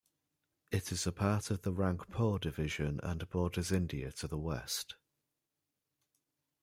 It is a part of the Rangpur Division and borders India to the west.